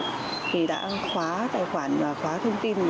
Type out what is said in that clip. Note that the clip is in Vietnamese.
thì đã khóa tài khoản và khóa thông tin